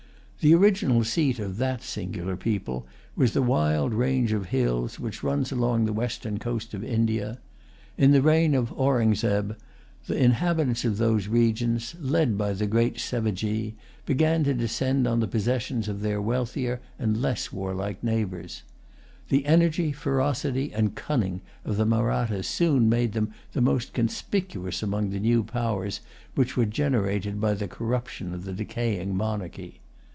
The original seat of that singular people was the wild range of hills which runs along the western coast of India. In the reign of Aurungzebe the inhabitants of those regions, led by the great Sevajee, began to descend on the possessions of their wealthier and less warlike neighbors. The energy, ferocity, and cunning of the Mahrattas soon made them the most conspicuous among the new powers which were generated by the corruption of the decaying monarchy.